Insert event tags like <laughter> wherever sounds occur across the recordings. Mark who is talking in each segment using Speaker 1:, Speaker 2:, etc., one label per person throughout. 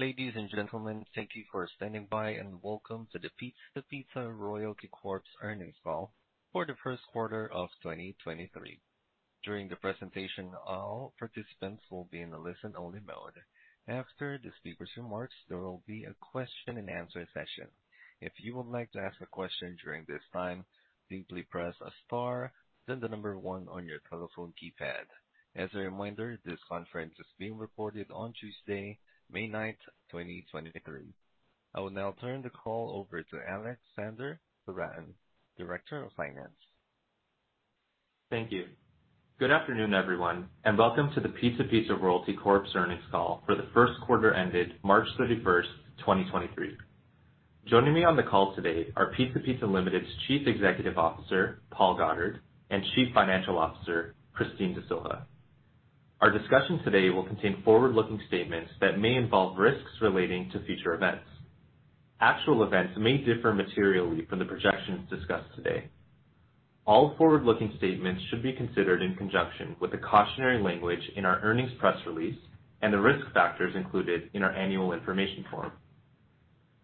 Speaker 1: Ladies and gentlemen, thank you for standing by, and welcome to the Pizza Pizza Royalty Corp.'s earnings call for the 1st quarter of 2023. During the presentation, all participants will be in a listen only mode. After the speaker's remarks, there will be a question and answer session. If you would like to ask a question during this time, simply press star then the number one on your telephone keypad. As a reminder, this conference is being recorded on Tuesday, May 9, 2023. I will now turn the call over to Alexander Sewrattan, Director of Finance.
Speaker 2: Thank you. Good afternoon, everyone, welcome to the Pizza Pizza Royalty Corp.'s earnings call for the first quarter ended March 31st, 2023. Joining me on the call today are Pizza Pizza Limited's Chief Executive Officer, Paul Goddard, and Chief Financial Officer, Christine D'Sylva. Our discussion today will contain forward-looking statements that may involve risks relating to future events. Actual events may differ materially from the projections discussed today. All forward-looking statements should be considered in conjunction with the cautionary language in our earnings press release and the risk factors included in our annual information form.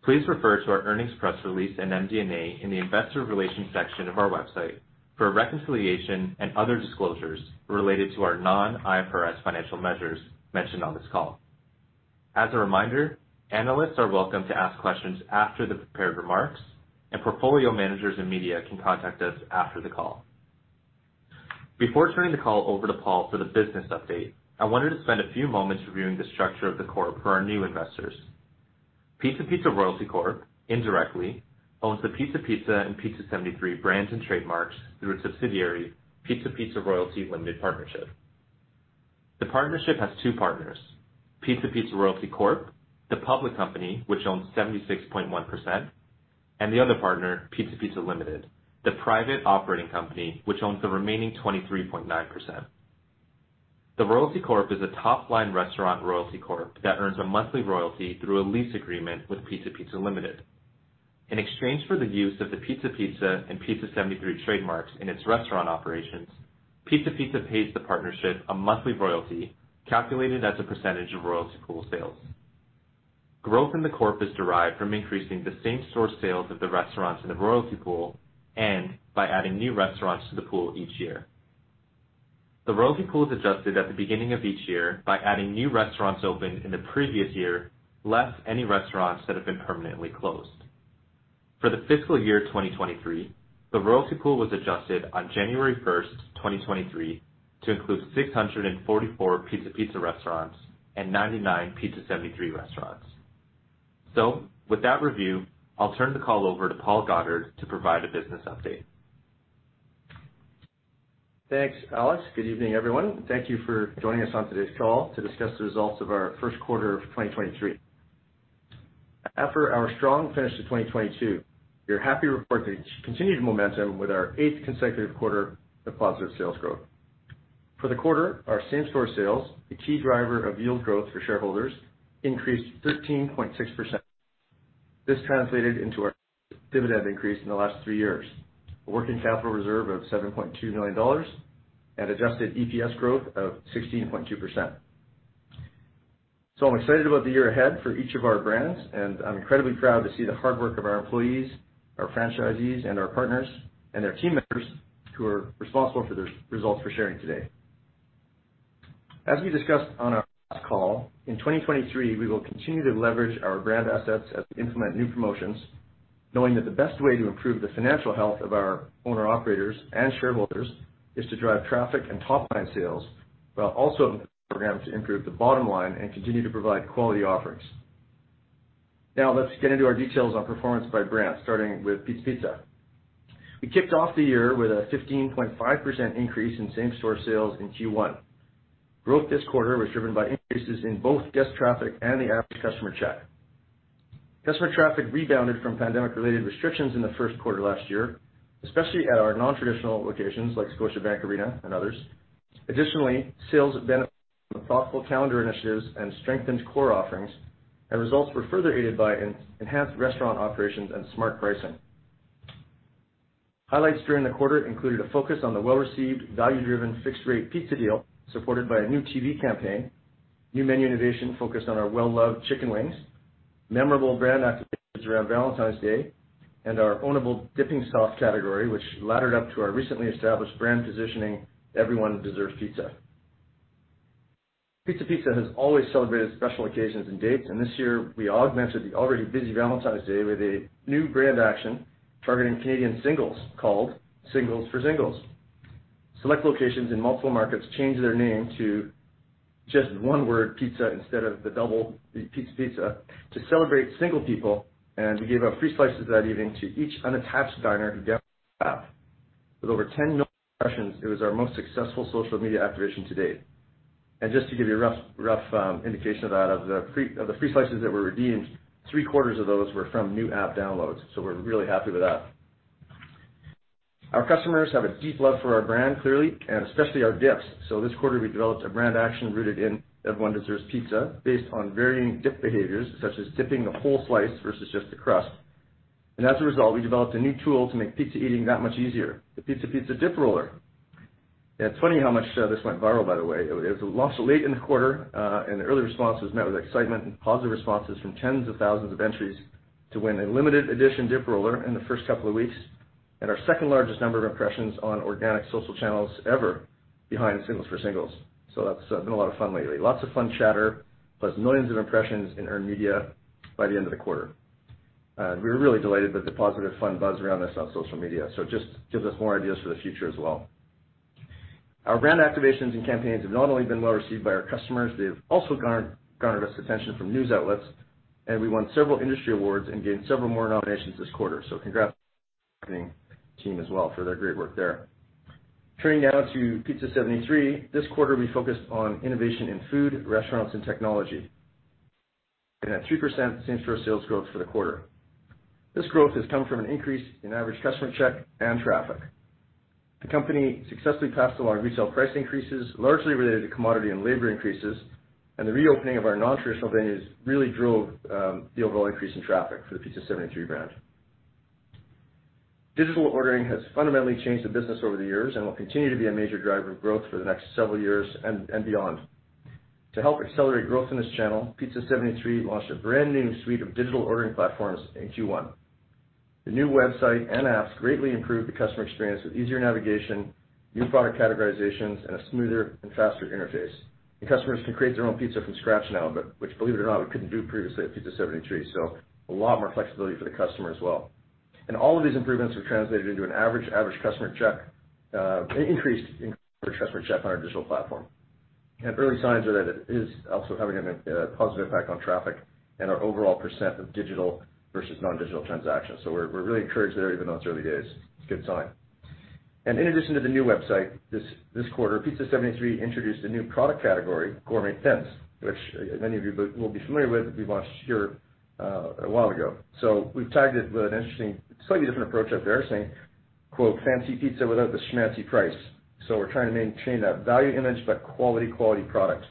Speaker 2: Please refer to our earnings press release and MD&A in the Investor Relations section of our website for a reconciliation and other disclosures related to our non-IFRS financial measures mentioned on this call. As a reminder, Analysts are welcome to ask questions after the prepared remarks, and Portfolio Managers and media can contact us after the call. Before turning the call over to Paul for the business update, I wanted to spend a few moments reviewing the structure of the corp for our new investors. Pizza Pizza Royalty Corp. indirectly owns the Pizza Pizza and Pizza 73 brands and trademarks through a subsidiary, Pizza Pizza Royalty Limited Partnership. The partnership has two partners, Pizza Pizza Royalty Corp, the public company, which owns 76.1%, and the other partner, Pizza Pizza Limited, the private operating company, which owns the remaining 23.9%. The Royalty Corp. is a top-line restaurant royalty corp that earns a monthly royalty through a lease agreement with Pizza Pizza Limited. In exchange for the use of the Pizza Pizza and Pizza 73 trademarks in its restaurant operations, Pizza Pizza pays the partnership a monthly royalty calculated as a percentage of Royalty Pool sales. Growth in the corp is derived from increasing the same-store sales of the restaurants in the Royalty Pool and by adding new restaurants to the pool each year. The Royalty Pool is adjusted at the beginning of each year by adding new restaurants opened in the previous year, less any restaurants that have been permanently closed. For the fiscal year 2023, the Royalty Pool was adjusted on January 1st, 2023 to include 644 Pizza Pizza restaurants and 99 Pizza 73 restaurants. With that review, I'll turn the call over to Paul Goddard to provide a business update.
Speaker 3: Thanks, Alex. Good evening, everyone. Thank you for joining us on today's call to discuss the results of our 1st quarter of 2023. After our strong finish to 2022, we are happy to report the continued momentum with our 8th consecutive quarter of positive sales growth. For the quarter, our same-store sales, a key driver of yield growth for shareholders, increased 13.6%. This translated into our dividend increase in the last three years, a working capital reserve of 7.2 million dollars and Adjusted EPS growth of 16.2%. I'm excited about the year ahead for each of our brands, and I'm incredibly proud to see the hard work of our employees, our franchisees, and our partners, and their team members who are responsible for the results we're sharing today. As we discussed on our last call, in 2023, we will continue to leverage our brand assets as we implement new promotions, knowing that the best way to improve the financial health of our owner-operators and shareholders is to drive traffic and top-line sales, while also programs to improve the bottom line and continue to provide quality offerings. Let's get into our details on performance by brand, starting with Pizza Pizza. We kicked off the year with a 15.5% increase in same-store sales in Q1. Growth this quarter was driven by increases in both guest traffic and the average customer check. Customer traffic rebounded from pandemic-related restrictions in the first quarter last year, especially at our non-traditional locations like Scotiabank Arena and others. Additionally, sales have benefited from thoughtful calendar initiatives and strengthened core offerings, and results were further aided by enhanced restaurant operations and smart pricing. Highlights during the quarter included a focus on the well-received, value-driven fixed rate pizza deal, supported by a new TV campaign, new menu innovation focused on our well-loved Chicken Wings, memorable brand activations around Valentine's Day, and our ownable dipping sauce category, which laddered up to our recently established brand positioning, Everyone Deserves Pizza. Pizza Pizza has always celebrated special occasions and dates, and this year we augmented the already busy Valentine's Day with a new brand action targeting Canadian singles called Singles for Singles. Select locations in multiple markets changed their name to just one word, Pizza, instead of the double, Pizza Pizza, to celebrate single people, and we gave out free slices that evening to each unattached diner who downloaded the app. With over 10 million impressions, it was our most successful social media activation to date. Just to give you a rough indication of that, of the free slices that were redeemed, three-quarters of those were from new app downloads, so we're really happy with that. Our customers have a deep love for our brand, clearly, and especially our dips. This quarter, we developed a brand action rooted in Everyone Deserves Pizza based on varying dip behaviors, such as dipping the whole slice versus just the crust. As a result, we developed a new tool to make pizza eating that much easier, the Pizza Pizza Dip Roller. Yeah, it's funny how much this went viral by the way. It was launched late in the quarter, and the early response was met with excitement and positive responses from tens of thousands of entries to win a limited edition Dip Roller in the first couple of weeks, and our second-largest number of impressions on organic social channels ever behind Singles for Singles. That's been a lot of fun lately. Lots of fun chatter, plus millions of impressions in earned media by the end of the quarter. We were really delighted with the positive fun buzz around this on social media. It just gives us more ideas for the future as well. Our brand activations and campaigns have not only been well received by our customers, they have also garnered us attention from news outlets, and we won several industry awards and gained several more nominations this quarter. Congrats team as well for their great work there. Turning now to Pizza 73, this quarter we focused on innovation in food, restaurants, and technology. We had 3% same-store sales growth for the quarter. This growth has come from an increase in average customer check and traffic. The company successfully passed along retail price increases, largely related to commodity and labor increases, and the reopening of our nontraditional venues really drove the overall increase in traffic for the Pizza 73 brand. Digital ordering has fundamentally changed the business over the years and will continue to be a major driver of growth for the next several years and beyond. To help accelerate growth in this channel, Pizza 73 launched a brand-new suite of digital ordering platforms in Q1. The new website and apps greatly improve the customer experience with easier navigation, new product categorizations, and a smoother and faster interface. The customers can create their own pizza from scratch now, which believe it or not, we couldn't do previously at Pizza 73. A lot more flexibility for the customer as well. All of these improvements have translated into an average customer check increase in customer check on our digital platform. Early signs are that it is also having a positive impact on traffic and our overall % of digital versus non-digital transactions. We're really encouraged there even though it's early days. It's a good sign. In addition to the new website this quarter, Pizza 73 introduced a new product category, Gourmet Thins, which many of you will be familiar with, we launched here a while ago. We've tagged it with an interesting, slightly different approach up there saying, quote, "Fancy pizza without the schmancy price." We're trying to maintain that value image but quality product.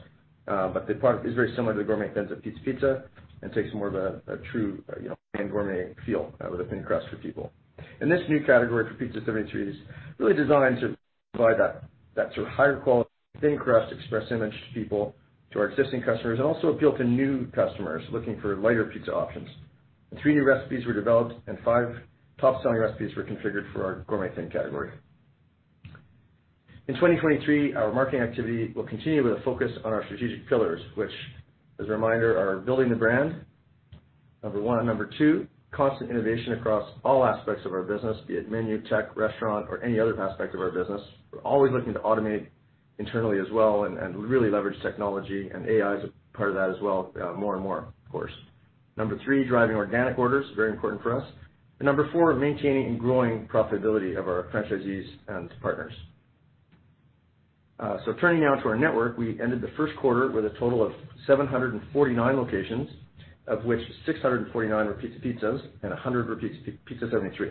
Speaker 3: The product is very similar to the Gourmet Thins of Pizza Pizza and takes more of a true, you know, hand gourmet feel with a thin crust for people. This new category for Pizza 73 is really designed to provide that sort of higher quality thin crust express image to people, to our existing customers, and also appeal to new customers looking for lighter pizza options. The three new recipes were developed, and five top-selling recipes were configured for our Gourmet Thin category. In 2023, our marketing activity will continue with a focus on our strategic pillars, which, as a reminder, are building the brand, number one and number two, constant innovation across all aspects of our business, be it menu, tech, restaurant, or any other aspect of our business. We're always looking to automate internally as well and really leverage technology, and AI is a part of that as well, more and more, of course. Number three, driving organic orders, very important for us. Number four, maintaining and growing profitability of our franchisees and partners. Turning now to our network, we ended the first quarter with a total of 749 locations, of which 649 were Pizza Pizzas and 100 were Pizza 73.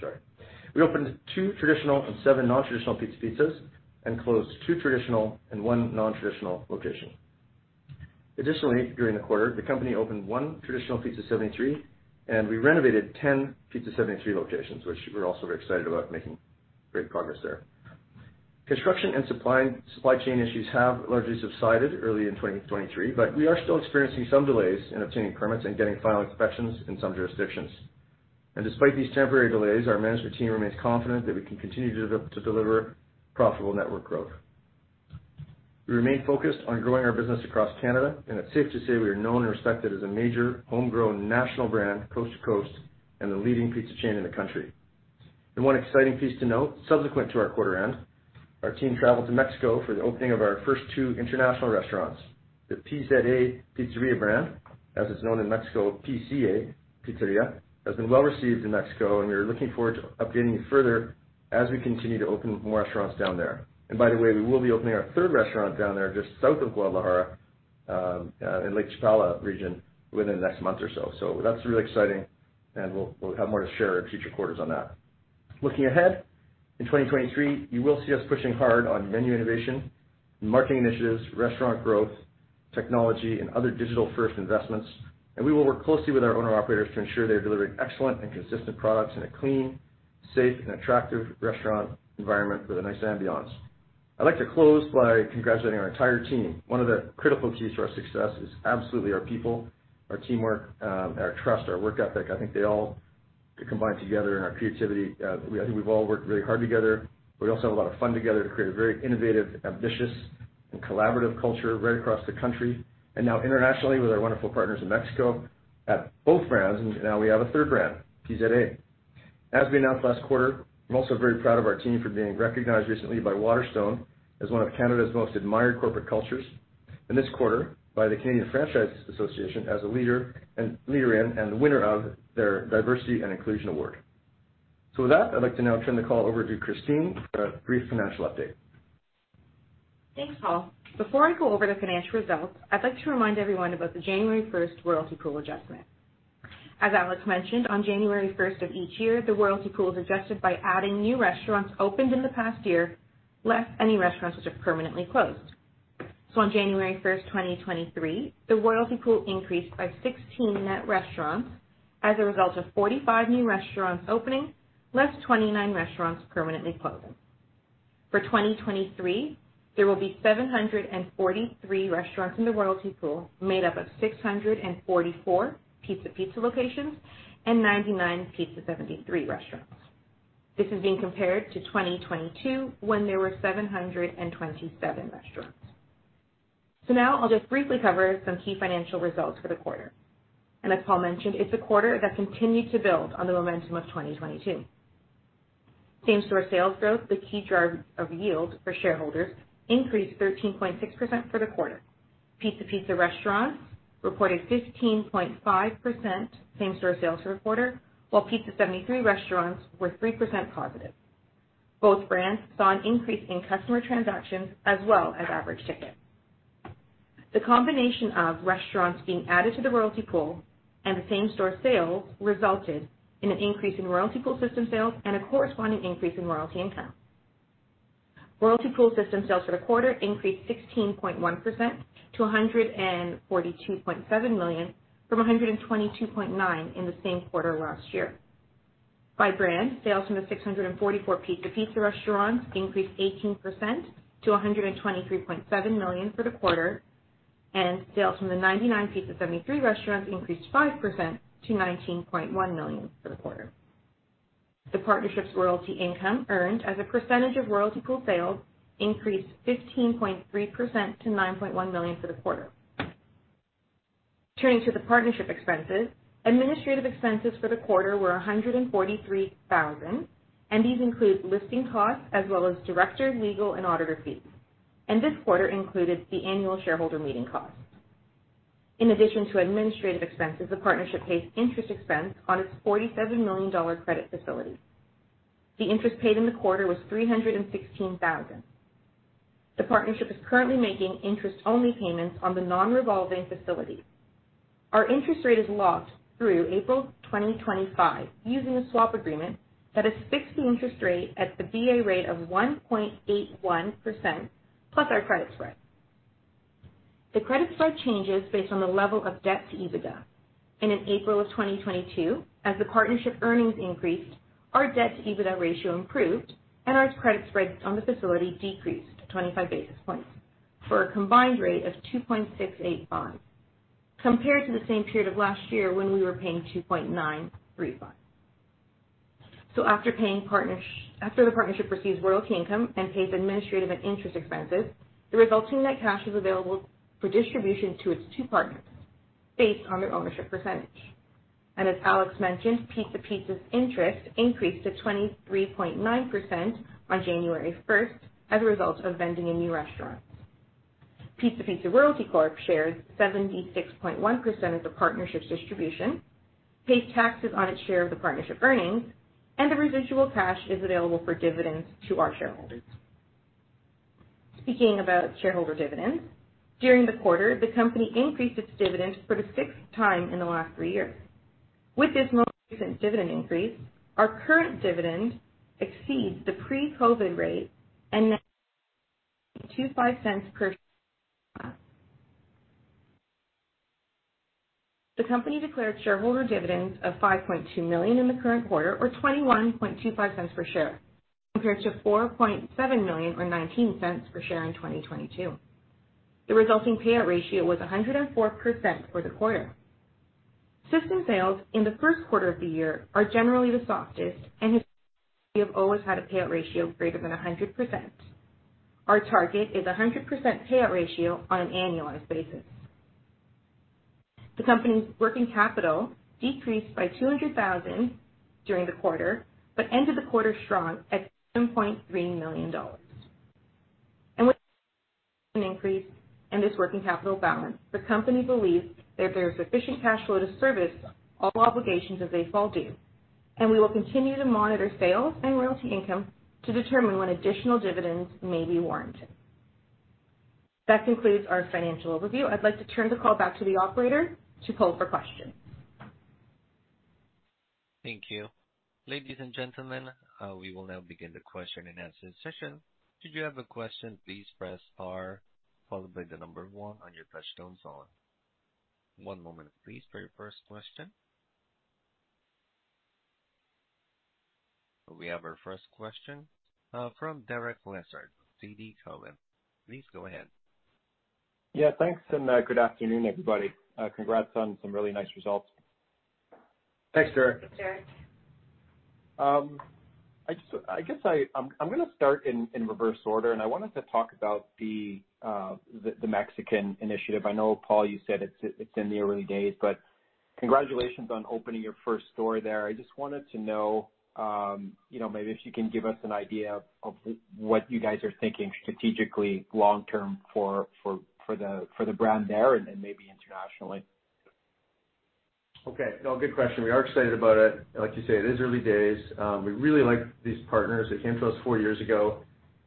Speaker 3: Sorry. We opened two traditional and seven nontraditional Pizza Pizzas and closed two traditional and one nontraditional location. Additionally, during the quarter, the company opened one traditional Pizza 73, and we renovated 10 Pizza 73 locations, which we're also very excited about making great progress there. Construction and supply chain issues have largely subsided early in 2023, but we are still experiencing some delays in obtaining permits and getting final inspections in some jurisdictions. Despite these temporary delays, our management team remains confident that we can continue to deliver profitable network growth. We remain focused on growing our business across Canada, and it's safe to say we are known and respected as a major homegrown national brand, coast to coast, and the leading pizza chain in the country. One exciting piece to note, subsequent to our quarter end, our team traveled to Mexico for the opening of our first two international restaurants. The PZA Pizzeria brand, as it's known in Mexico, PZA Pizzeria, has been well received in Mexico, and we are looking forward to updating you further as we continue to open more restaurants down there. By the way, we will be opening our third restaurant down there, just South of Guadalajara, in Lake Chapala region within the next month or so. That's really exciting and we'll have more to share in future quarters on that. Looking ahead, in 2023, you will see us pushing hard on menu innovation, marketing initiatives, restaurant growth, technology, and other digital-first investments. We will work closely with our owner-operators to ensure they're delivering excellent and consistent products in a clean, safe, and attractive restaurant environment with a nice ambiance. I'd like to close by congratulating our entire team. One of the critical keys to our success is absolutely our people, our teamwork, our trust, our work ethic. I think they all combine together in our creativity. I think we've all worked really hard together. We also have a lot of fun together to create a very innovative, ambitious, and collaborative culture right across the country, and now internationally with our wonderful partners in Mexico at both brands, and now we have a third brand, PZA. As we announced last quarter, I'm also very proud of our team for being recognized recently by Waterstone as one of Canada's most admired corporate cultures, and this quarter by the Canadian Franchise Association as a leader in and the winner of their Diversity and Inclusion Award. With that, I'd like to now turn the call over to Christine for a brief financial update.
Speaker 4: Thanks, Paul. Before I go over the financial results, I'd like to remind everyone about the January 1 Royalty Pool adjustment. As Alex mentioned, on January 1 of each year, the Royalty Pool is adjusted by adding new restaurants opened in the past year, less any restaurants which are permanently closed. On January 1, 2023, the Royalty Pool increased by 16 net restaurants as a result of 45 new restaurants opening, less 29 restaurants permanently closing. For 2023, there will be 743 restaurants in the Royalty Pool, made up of 644 Pizza Pizza locations and 99 Pizza 73 restaurants. This is being compared to 2022, when there were 727 restaurants. Now I'll just briefly cover some key financial results for the quarter. As Paul mentioned, it's a quarter that continued to build on the momentum of 2022. Same-store sales growth, the key driver of yield for shareholders, increased 13.6% for the quarter. Pizza Pizza restaurants reported 15.5% same-store sales for the quarter, while Pizza 73 restaurants were 3% positive. Both brands saw an increase in customer transactions as well as average ticket. The combination of restaurants being added to the Royalty Pool and the same-store sales resulted in an increase in Royalty Pool system sales and a corresponding increase in royalty income. Royalty Pool system sales for the quarter increased 16.1% to 142.7 million, from 122.9 million in the same quarter last year. By brand, sales from the 644 Pizza Pizza restaurants increased 18% to 123.7 million for the quarter, and sales from the 99 Pizza 73 restaurants increased 5% to 19.1 million for the quarter. The partnership's royalty income earned as a percentage of Royalty Pool sales increased 15.3% to 9.1 million for the quarter. Turning to the partnership expenses, administrative expenses for the quarter were 143,000. These include listing costs as well as director, legal, and auditor fees. This quarter included the annual shareholder meeting costs. In addition to administrative expenses, the partnership pays interest expense on its 47 million dollar credit facility. The interest paid in the quarter was 316,000. The partnership is currently making interest-only payments on the non-revolving facility. Our interest rate is locked through April 2025 using a swap agreement that has fixed the interest rate at the BA rate of 1.81% plus our credit spread. The credit spread changes based on the level of debt-to-EBITDA. In April of 2022, as the partnership earnings increased, our debt-to-EBITDA ratio improved and our credit spreads on the facility decreased to 25 basis points for a combined rate of 2.685, compared to the same period of last year when we were paying 2.935. After the partnership receives royalty income and pays administrative and interest expenses, the resulting net cash is available for distribution to its two partners based on their ownership percentage. As Alex mentioned, Pizza Pizza's interest increased to 23.9% on January first as a result of vending a new restaurant. Pizza Pizza Royalty Corp shares 76.1% of the partnership's distribution, pays taxes on its share of the partnership earnings, and the residual cash is available for dividends to our shareholders. Speaking about shareholder dividends, during the quarter, the company increased its dividend for the sixth time in the last three years. With this most recent dividend increase, our current dividend exceeds the pre-COVID rate and now CAD 0.225 per. <audio distortion> The company declared shareholder dividends of 5.2 million in the current quarter or 0.2125 per share, compared to 4.7 million or 0.19 per share in 2022. The resulting payout ratio was 104% for the quarter. System sales in the first quarter of the year are generally the softest, historically, we have always had a payout ratio greater than 100%. Our target is a 100% payout ratio on an annualized basis. The company's working capital decreased by 200,000 during the quarter, but ended the quarter strong at 7.3 million dollars. With an increase in this working capital balance, the company believes that there is sufficient cash flow to service all obligations as they fall due, and we will continue to monitor sales and royalty income to determine when additional dividends may be warranted. That concludes our financial overview. I'd like to turn the call back to the Operator to poll for questions.
Speaker 1: Thank you. Ladies and gentlemen, we will now begin the question-and-answer session. If you have a question, please press star, followed by the number one on your touch-tone phone. One moment, please, for your first question. We have our first question from Derek Lessard, TD Cowen. Please go ahead.
Speaker 5: Yeah, thanks. Good afternoon, everybody. Congrats on some really nice results.
Speaker 3: Thanks, Derek.
Speaker 4: Derek.
Speaker 5: I guess I'm gonna start in reverse order, and I wanted to talk about the Mexican initiative. I know, Paul, you said it's in the early days. Congratulations on opening your first store there. I just wanted to know, you know, maybe if you can give us an idea of what you guys are thinking strategically long term for, for the, for the brand there and maybe internationally.
Speaker 3: Okay. No, good question. We are excited about it. Like you say, it is early days. We really like these partners. They came to us four years ago.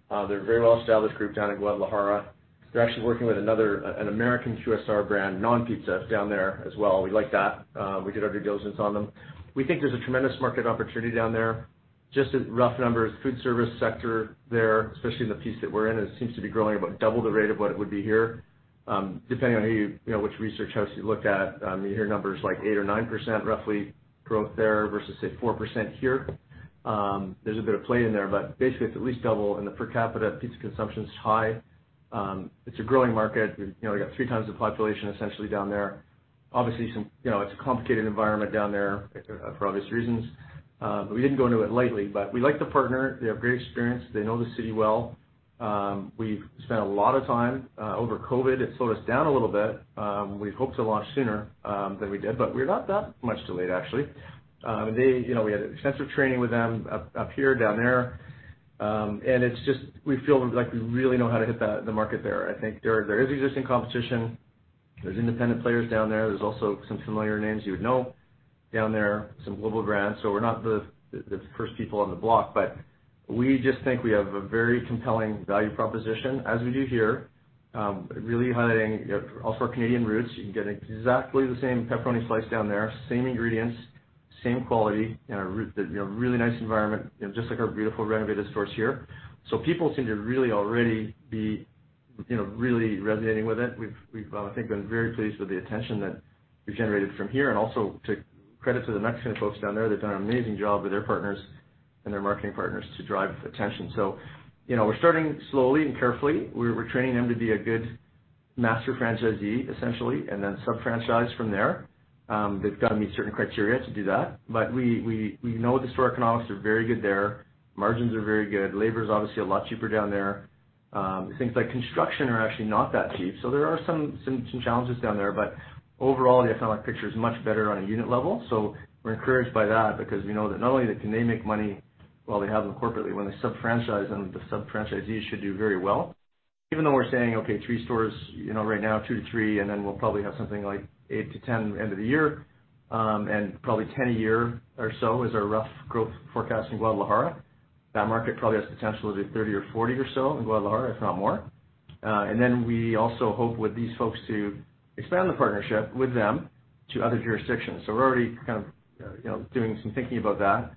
Speaker 3: They're a very well-established group down in Guadalajara. They're actually working with another, an American QSR brand, non-pizza, down there as well. We like that. We did our due diligence on them. We think there's a tremendous market opportunity down there. Just as rough numbers, food service sector there, especially in the piece that we're in, it seems to be growing about double the rate of what it would be here. Depending on you know, which research house you look at, you hear numbers like 8% or 9% roughly growth there versus, say, 4% here. There's a bit of play in there, but basically it's at least double, and the per capita pizza consumption's high. It's a growing market. You know, you got three times the population essentially down there. Obviously you know, it's a complicated environment down there for obvious reasons. We didn't go into it lightly, but we like the partner. They have great experience. They know the city well. We've spent a lot of time over COVID. It slowed us down a little bit. We'd hoped to launch sooner than we did, but we're not that much delayed actually. You know, we had extensive training with them up here, down there. It's just we feel like we really know how to hit the market there. I think there is existing competition. There's independent players down there. There's also some familiar names you would know down there, some global brands. We're not the first people on the block, but we just think we have a very compelling value proposition, as we do here. Really highlighting, you know, also our Canadian roots. You can get exactly the same pepperoni slice down there, same ingredients, same quality in a you know, really nice environment, you know, just like our beautiful renovated stores here. People seem to really already be, you know, really resonating with it. We've, I think been very pleased with the attention that we've generated from here and also to credit to the Mexican folks down there, they've done an amazing job with their partners and their marketing partners to drive attention. you know, we're starting slowly and carefully. We're training them to be a good master franchisee, essentially, and then sub-franchise from there. They've got to meet certain criteria to do that. We know the store economics are very good there. Margins are very good. Labor is obviously a lot cheaper down there. Things like construction are actually not that cheap. There are some challenges down there. Overall, the economic picture is much better on a unit level. We're encouraged by that because we know that not only can they make money while they have them corporately, when they sub-franchise them, the sub-franchisees should do very well. Even though we're saying, okay, three stores, you know, right now, two to three, and then we'll probably have something like eight to 10 end of the year, and probably 10 a year or so is our rough growth forecast in Guadalajara. That market probably has potential to 30 or 40 or so in Guadalajara, if not more. We also hope with these folks to expand the partnership with them to other jurisdictions. We're already kind of, you know, doing some thinking about that.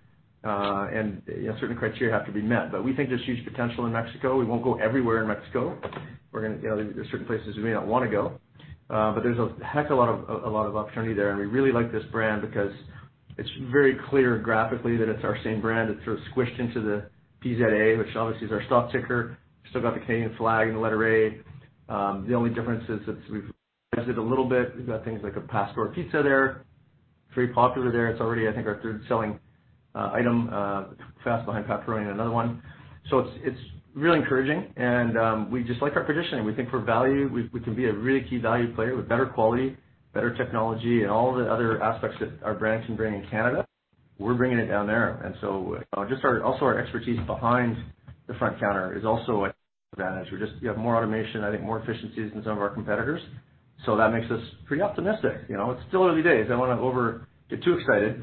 Speaker 3: You know, certain criteria have to be met. We think there's huge potential in Mexico. We won't go everywhere in Mexico. We're you know, there's certain places we may not wanna go. But there's a heck of a lot of opportunity there. We really like this brand because it's very clear graphically that it's our same brand. It's sort of squished into the PZA, which obviously is our stock ticker. Still got the Canadian flag and the letter A. The only difference is that we've -it a little bit. We've got things like al Pastor pizza there. It's very popular there. It's already, I think, our third-selling item fast behind pepperoni and another one. It's really encouraging and we just like our positioning. We think for value, we can be a really key value player with better quality, better technology, and all the other aspects that our brand can bring in Canada. We're bringing it down there. Just our expertise behind the front counter is also an advantage. We have more automation, I think more efficiencies than some of our competitors. That makes us pretty optimistic. You know, it's still early days. I don't want to get too excited,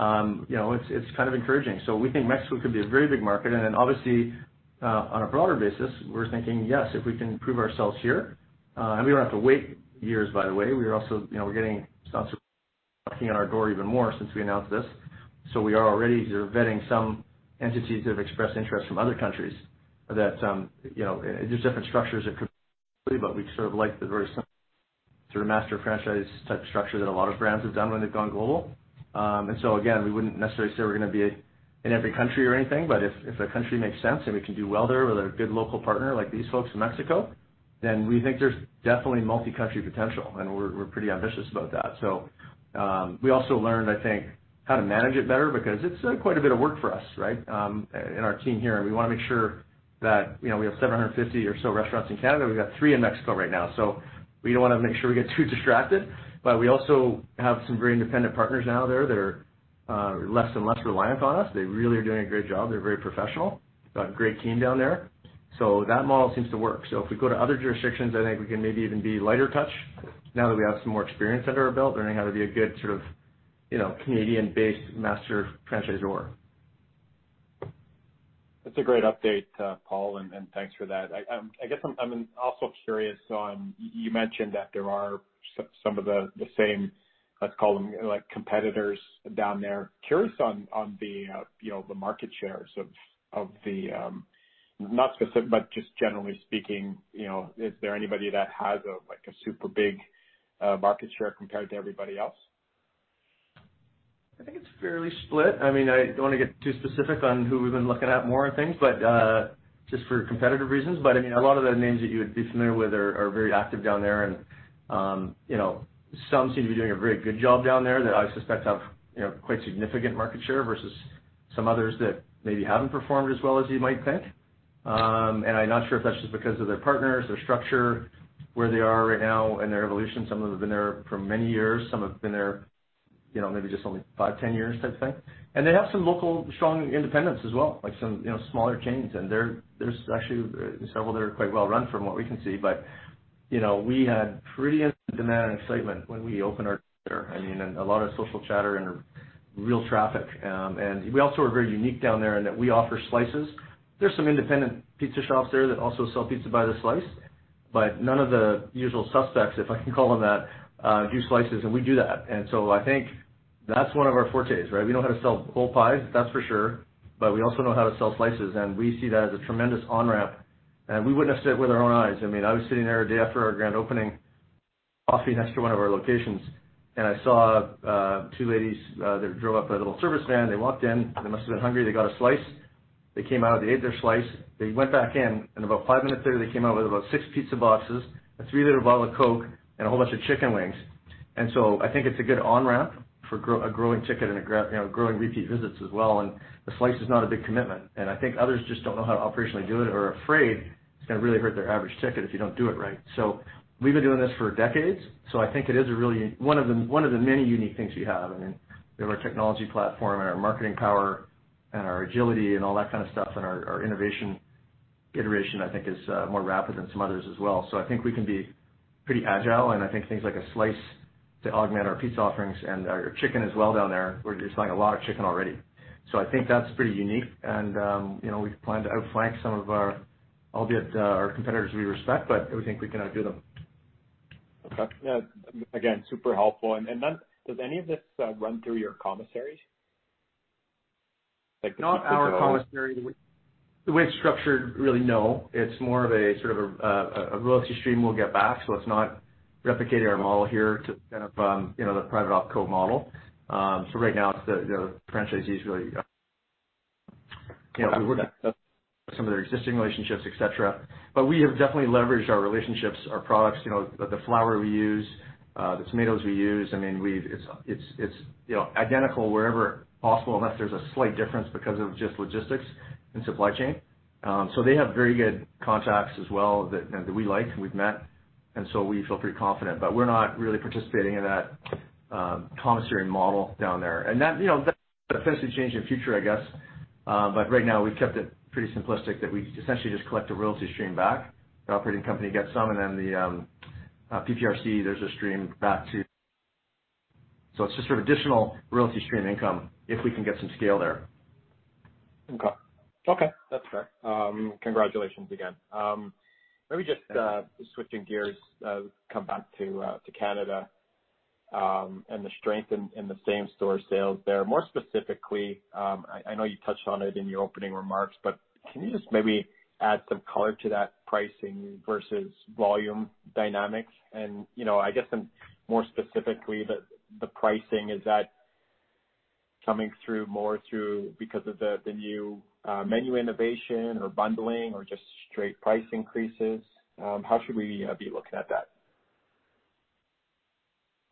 Speaker 3: but, you know, it's kind of encouraging. We think Mexico could be a very big market. Obviously, on a broader basis, we're thinking, yes, if we can prove ourselves here, and we don't have to wait years by the way. We are also, you know, we're getting knocking on our door even more since we announced this. We are already sort of vetting some entities that have expressed interest from other countries that, you know, there's different structures that could but we sort of like the very simple sort of master franchise type structure that a lot of brands have done when they've gone global. Again, we wouldn't necessarily say we're gonna be in every country or anything, but if a country makes sense and we can do well there with a good local partner like these folks in Mexico, then we think there's definitely multi-country potential, and we're pretty ambitious about that. We also learned, I think, how to manage it better because it's been quite a bit of work for us, right? And our team here, and we wanna make sure that, you know, we have 750 or so restaurants in Canada. We've got three in Mexico right now. We don't wanna make sure we get too distracted. We also have some very independent partners now there that are less and less reliant on us. They really are doing a great job. They're very professional. Got a great team down there. That model seems to work. If we go to other jurisdictions, I think we can maybe even be lighter touch now that we have some more experience under our belt, learning how to be a good sort of, you know, Canadian-based master franchisor.
Speaker 5: That's a great update, Paul, thanks for that. I guess I'm also curious. You mentioned that there are some of the same, let's call them, like, competitors down there. Curious on the, you know, the market shares of the, not specific, but just generally speaking, you know, is there anybody that has a, like, a super big market share compared to everybody else?
Speaker 3: I think it's fairly split. I mean, I don't wanna get too specific on who we've been looking at more and things, but, just for competitive reasons. I mean, a lot of the names that you would be familiar with are very active down there and, you know, some seem to be doing a very good job down there that I suspect have, you know, quite significant market share versus some others that maybe haven't performed as well as you might think. I'm not sure if that's just because of their partners, their structure, where they are right now in their evolution. Some of them have been there for many years, some have been there, you know, maybe just only five, 10 years type thing. They have some local strong independents as well, like some, you know, smaller chains. There's actually several that are quite well run from what we can see. You know, we had pretty instant demand and excitement when we opened our door. I mean, a lot of social chatter and real traffic. We also are very unique down there in that we offer slices. There's some independent Pizza Pizza shops there that also sell pizza by the slice. None of the usual suspects, if I can call them that, do slices, and we do that. I think that's one of our fortes, right. We know how to sell whole pies, that's for sure, but we also know how to sell slices, and we see that as a tremendous on-ramp. We witnessed it with our own eyes. I mean, I was sitting there a day after our grand opening, coffee next to one of our locations, and I saw two ladies, they drove up a little service van. They walked in. They must have been hungry. They got a slice. They came out. They ate their slice. They went back in. About five minutes later they came out with about six pizza boxes, a three-liter bottle of Coke, and a whole bunch of Chicken Wings. I think it's a good on-ramp for a growing ticket and a you know, growing repeat visits as well. The slice is not a big commitment. I think others just don't know how to operationally do it or are afraid it's gonna really hurt their average ticket if you don't do it right. We've been doing this for decades. I think it is one of the many unique things we have. I mean, we have our technology platform and our marketing power and our agility and all that kind of stuff. Our innovation iteration, I think, is more rapid than some others as well. I think we can be pretty agile, and I think things like a slice to augment our pizza offerings and our chicken as well down there. We're selling a lot of chicken already. I think that's pretty unique. You know, we plan to outflank some of our, albeit, our competitors we respect, but we think we can outdo them.
Speaker 5: Okay. Yeah, again, super helpful. Then does any of this run through your commissary? Like the pizza-
Speaker 3: Not our commissary. The way it's structured, really no. It's more of a, sort of a royalty stream we'll get back. It's not replicating our model here to kind of, you know, the private Opco model. Right now it's the franchisees really, you know, we work with some of their existing relationships, et cetera. We have definitely leveraged our relationships, our products, you know, the flour we use, the tomatoes we use. I mean, we've... It's, you know, identical wherever possible, unless there's a slight difference because of just logistics and supply chain. They have very good contacts as well that we like and we've met, and we feel pretty confident. We're not really participating in that, commissary model down there. That, you know, that could potentially change in future, I guess. Right now we've kept it pretty simplistic, that we essentially just collect a royalty stream back. The operating company gets some, and then the PPRC, there's a stream back to. It's just sort of additional royalty stream income if we can get some scale there.
Speaker 5: Okay. Okay, that's fair. Congratulations again. Maybe just switching gears, come back to Canada, and the strength in the same-store sales there. More specifically, I know you touched on it in your opening remarks, but can you just maybe add some color to that pricing versus volume dynamics? You know, I guess some more specifically the pricing, is that coming through more through because of the new menu innovation or bundling or just straight price increases? How should we be looking at that?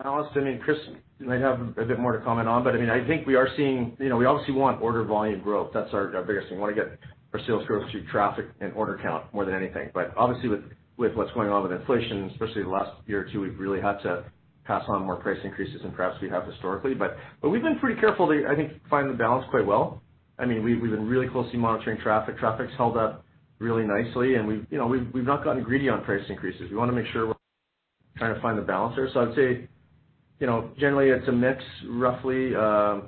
Speaker 3: I'll answer, and Chris might have a bit more to comment on, but I mean, I think we are seeing. You know, we obviously want order volume growth. That's our biggest thing. We wanna get our sales growth through traffic and order count more than anything. Obviously with what's going on with inflation, especially the last year or two, we've really had to pass on more price increases than perhaps we have historically. We've been pretty careful to, I think, find the balance quite well. I mean, we've been really closely monitoring traffic. Traffic's held up really nicely and we've, you know, we've not gotten greedy on price increases. We wanna make sure we're trying to find the balance there. I'd say, you know, generally it's a mix, roughly, you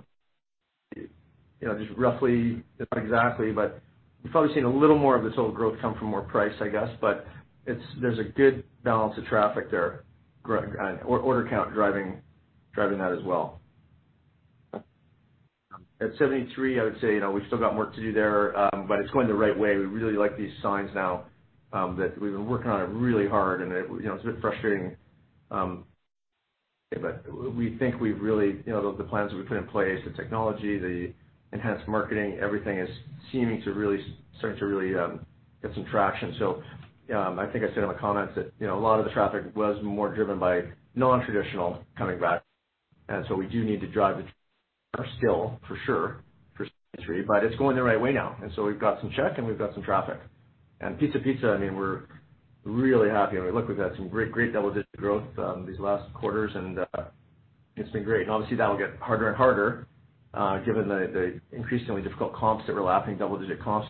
Speaker 3: know, just roughly, not exactly, we've probably seen a little more of the total growth come from more price, I guess. There's a good balance of traffic there, or-order count driving that as well. At Pizza 73, I would say, you know, we've still got work to do there, it's going the right way. We really like these signs now, that we've been working on it really hard, it, you know, it's a bit frustrating, we think we've really, you know, the plans that we've put in place, the technology, the enhanced marketing, everything is starting to really get some traction. I think I said in my comments that, you know, a lot of the traffic was more driven by non-traditional coming back, and so we do need to drive it still for sure for 73. But it's going the right way now. We've got some check and we've got some traffic. Pizza Pizza, I mean, we're really happy. I mean, look, we've had some great double-digit growth these last quarters, and it's been great. Obviously that'll get harder and harder given the increasingly difficult comps, that we're lapsing double-digit comps.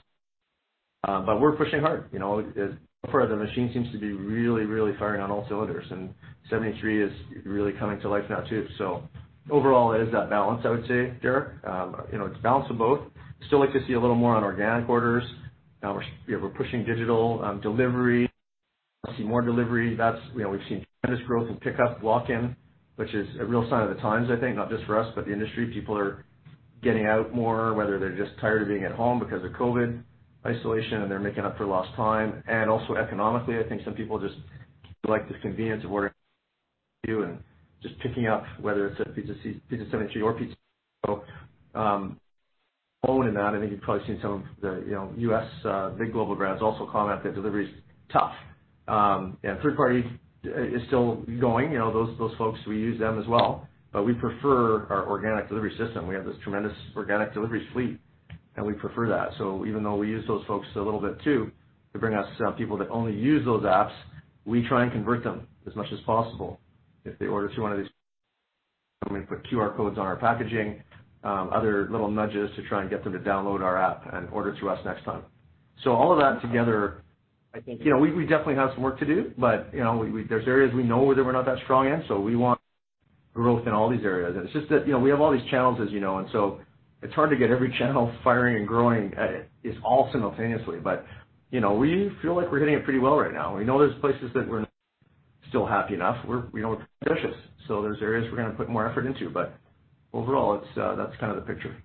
Speaker 3: We're pushing hard. You know, as far as the machine seems to be really firing on all cylinders, and 73 is really coming to life now too. Overall it is that balance, I would say, Derek. You know, it's a balance of both. Still like to see a little more on organic orders. Now we're, you know, we're pushing digital, delivery. I see more delivery. That's, you know, we've seen tremendous growth in pickup, walk-in, which is a real sign of the times I think, not just for us, but the industry. People are getting out more, whether they're just tired of being at home because of COVID isolation and they're making up for lost time. Economically, I think some people just like the convenience of ordering too, and just picking up, whether it's at Pizza 73 or Pizza Pizza. Owning that, I think you've probably seen some of the, you know, U.S., big global brands also comment that delivery's tough. Third party is still going. You know, those folks, we use them as well. But we prefer our organic delivery system. We have this tremendous organic delivery fleet, and we prefer that. Even though we use those folks a little bit too to bring us people that only use those apps, we try and convert them as much as possible if they order through one of these. We put QR codes on our packaging, other little nudges to try and get them to download our app and order through us next time. All of that together, I think, you know, we definitely have some work to do, but, you know, we, there's areas we know where we're not that strong in, so growth in all these areas. It's just that, you know, we have all these challenges, you know, it's hard to get every channel firing and growing all simultaneously. You know, we feel like we're hitting it pretty well right now. We know there's places that we're not still happy enough. We know it's delicious, so there's areas we're gonna put more effort into. Overall, it's, that's kind of the picture.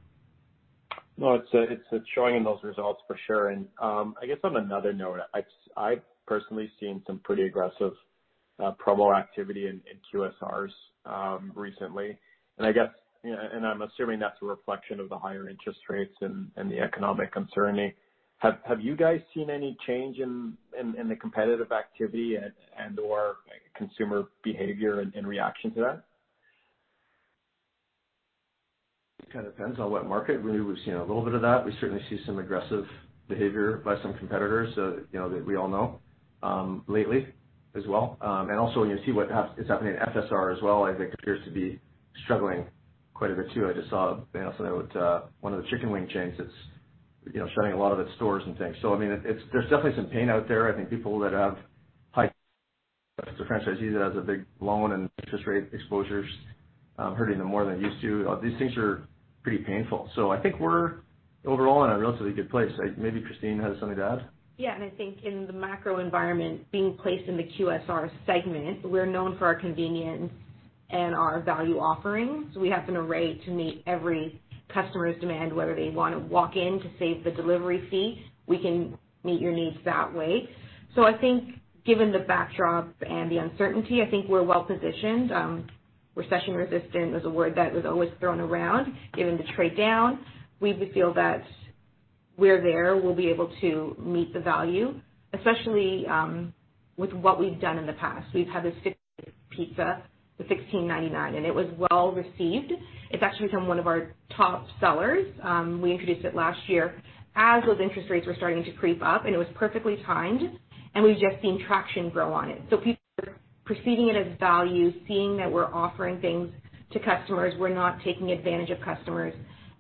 Speaker 5: No, it's showing in those results for sure. I guess on another note, I've personally seen some pretty aggressive promo activity in QSRs recently. I guess I'm assuming that's a reflection of the higher interest rates and the economic uncertainty. Have you guys seen any change in the competitive activity and/or consumer behavior in reaction to that?
Speaker 3: It kind of depends on what market. We've seen a little bit of that. We certainly see some aggressive behavior by some competitors, you know, that we all know, lately as well. Also you see what's happening in FSR as well. I think appears to be struggling quite a bit too. I just saw an announcement out, one of the chicken wing chains that's, you know, shutting a lot of its stores and things. I mean, there's definitely some pain out there. I think people that have high franchisees that has a big loan and interest rate exposures, hurting them more than it used to. These things are pretty painful. I think we're overall in a relatively good place. Maybe Christine has something to add.
Speaker 4: Yeah. I think in the macro environment, being placed in the QSR segment, we're known for our convenience and our value offerings. We have an array to meet every customer's demand. Whether they want to walk in to save the delivery fee, we can meet your needs that way. I think given the backdrop and the uncertainty, I think we're well positioned. Recession resistant is a word that was always thrown around. Given the trade down, we would feel that we're there, we'll be able to meet the value, especially with what we've done in the past. We've had a pizza for CAD 16.99. It was well received. It's actually become one of our top sellers. We introduced it last year as those interest rates were starting to creep up. It was perfectly timed. We've just seen traction grow on it. People are perceiving it as value, seeing that we're offering things to customers, we're not taking advantage of customers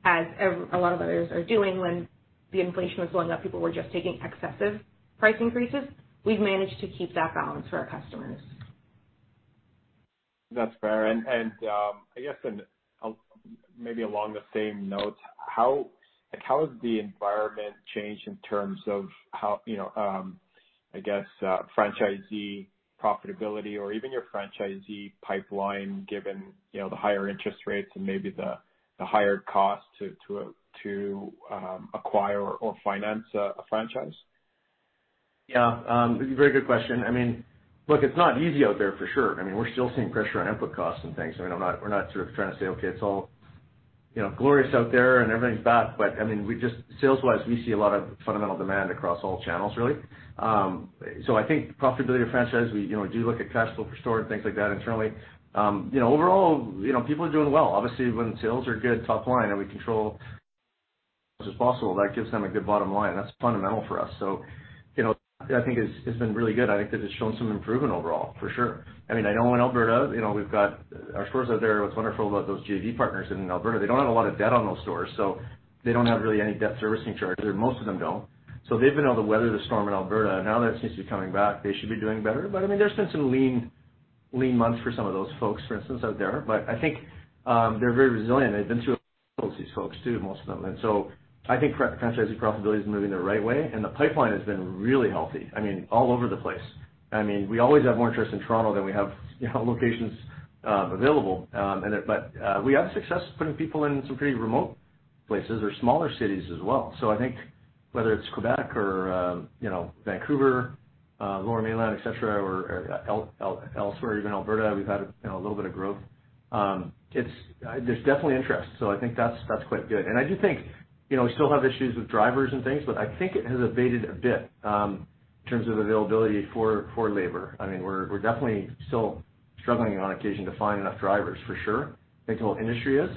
Speaker 4: as a lot of others are doing. When the inflation was going up, people were just taking excessive price increases. We've managed to keep that balance for our customers.
Speaker 5: That's fair. I guess, and maybe along the same note, how, like, how has the environment changed in terms of how, you know, I guess, franchisee profitability or even your franchisee pipeline given, you know, the higher interest rates and maybe the higher cost to acquire or finance a franchise?
Speaker 3: Yeah. Very good question. I mean, look, it's not easy out there for sure. I mean, we're still seeing pressure on input costs and things. I mean, we're not sort of trying to say, okay, it's all, you know, glorious out there and everything's back. I mean, Sales-wise, we see a lot of fundamental demand across all channels really. I think profitability of franchise, we, you know, do look at cash flow per store and things like that internally. You know, overall, you know, people are doing well. Obviously, when sales are good top line and we control as possible, that gives them a good bottom line. That's fundamental for us. You know, I think it's been really good. I think that it's shown some improvement overall, for sure. I mean, I know in Alberta, you know, we've got our stores out there. What's wonderful about those JV partners in Alberta, they don't have a lot of debt on those stores, so they don't have really any debt servicing charges. Most of them don't. They've been able to weather the storm in Alberta. Now that seems to be coming back, they should be doing better. I mean, there's been some lean months for some of those folks, for instance, out there. I think they're very resilient. They've been through these folks too, most of them. I think franchisee profitability is moving the right way, and the pipeline has been really healthy. I mean, all over the place. I mean, we always have more interest in Toronto than we have, you know, locations available. We have success putting people in some pretty remote places or smaller cities as well. I think whether it's Quebec or, you know, Vancouver, Lower Mainland, et cetera, or elsewhere, even Alberta, we've had, you know, a little bit of growth. There's definitely interest. I think that's quite good. I do think, you know, we still have issues with drivers and things, but I think it has abated a bit in terms of availability for labor. I mean, we're definitely still struggling on occasion to find enough drivers for sure. I think the whole industry is,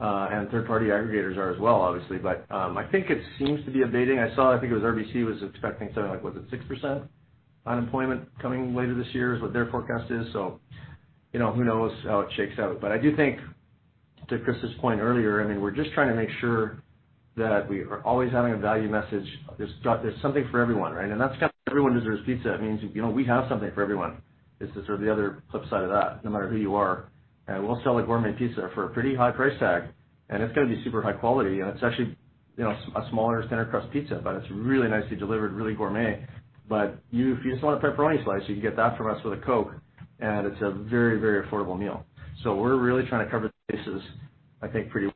Speaker 3: and third-party aggregators are as well, obviously. I think it seems to be abating. I saw, I think it was RBC was expecting something like, was it 6% unemployment coming later this year is what their forecast is. You know, who knows how it shakes out. I do think to Chris's point earlier, I mean, we're just trying to make sure that we are always having a value message. There's something for everyone, right? That's kind of Everyone Deserves Pizza. It means, you know, we have something for everyone. This is sort of the other flip side of that, no matter who you are. We'll sell a gourmet pizza for a pretty high price tag, and it's gonna be super high quality. It's actually, you know, a smaller standard crust pizza, but it's really nicely delivered, really gourmet. You, if you just want a pepperoni slice, you can get that from us with a Coke, and it's a very, very affordable meal. We're really trying to cover the bases, I think, pretty.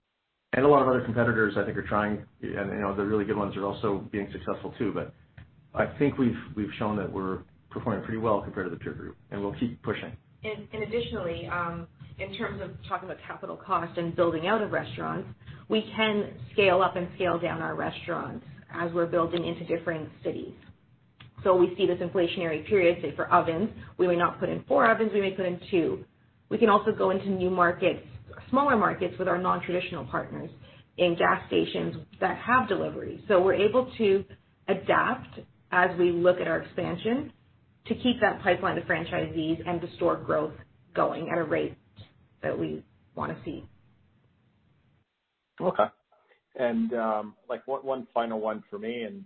Speaker 3: A lot of other competitors I think are trying, and you know, the really good ones are also being successful too. I think we've shown that we're performing pretty well compared to the peer group, and we'll keep pushing.
Speaker 4: Additionally, in terms of talking about capital cost and building out a restaurant, we can scale up and scale down our restaurants as we're building into different cities. We see this inflationary period, say for ovens, we may not put in four ovens, we may put in two. We can also go into new markets, smaller markets with our non-traditional partners in gas stations that have delivery. We're able to adapt as we look at our expansion to keep that pipeline to franchisees and the store growth going at a rate that we wanna see.
Speaker 5: Okay. like, one final one for me,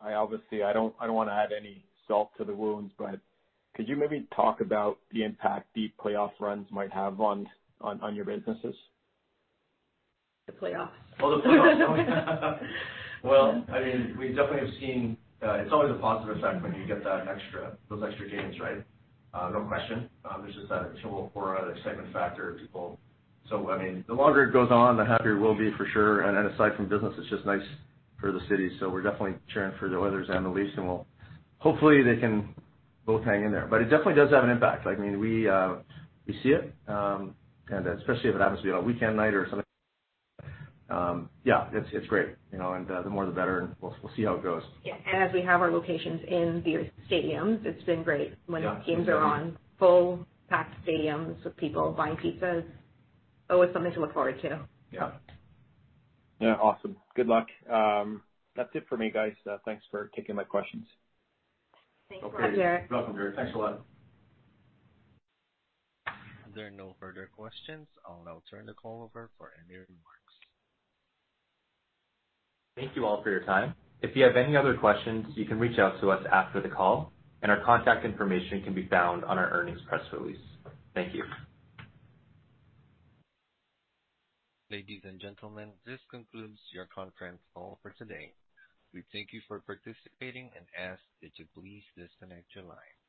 Speaker 5: I obviously I don't wanna add any salt to the wounds, but could you maybe talk about the impact the playoff runs might have on your businesses?
Speaker 4: The playoffs.
Speaker 3: Oh, the playoffs. I mean, we definitely have seen. It's always a positive effect when you get that extra, those extra games, right? No question. There's just that thrill or that excitement factor of people. I mean, the longer it goes on, the happier we'll be for sure. Aside from business, it's just nice for the city. We're definitely cheering for the Oilers and the Leafs and we'll hopefully they can both hang in there. It definitely does have an impact. I mean, we see it, and especially if it happens to be on a weekend night or something. Yeah, it's great, you know, and the more the better. We'll see how it goes.
Speaker 4: Yeah. As we have our locations in the stadiums, it's been great.
Speaker 3: Yeah.
Speaker 4: When games are on full packed stadiums with people buying pizzas, always something to look forward to.
Speaker 3: Yeah.
Speaker 5: Yeah. Awesome. Good luck. That's it for me, guys. Thanks for taking my questions.
Speaker 4: Thanks.
Speaker 3: Okay.
Speaker 4: Bye, Gary.
Speaker 3: You're welcome, Gary. Thanks a lot.
Speaker 1: There are no further questions. I'll now turn the call over for any remarks.
Speaker 2: Thank you all for your time. If you have any other questions, you can reach out to us after the call. Our contact information can be found on our earnings press release. Thank you.
Speaker 1: Ladies and gentlemen, this concludes your conference call for today. We thank you for participating and ask that you please disconnect your line.